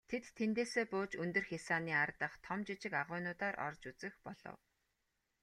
Тэд тэндээсээ бууж өндөр хясааны ар дахь том жижиг агуйнуудаар орж үзэх болов.